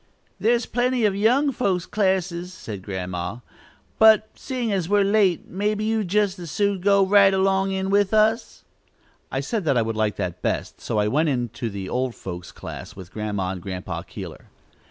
"There's plenty of young folks' classes," said Grandma; "but seein' as we're late maybe you'd jest as soon go right along in with us." I said that I should like that best, so I went into the "old folks'" class with Grandma and Grandpa Keeler.